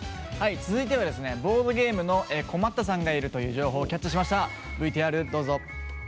続いてはボードゲームの困ったさんがいるという情報をキャッチしました。